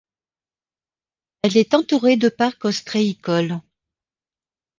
Elle est entourée de parcs ostréicoles.